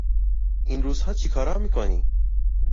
این روزها چیکارها میکنی؟